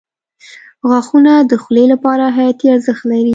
• غاښونه د خولې لپاره حیاتي ارزښت لري.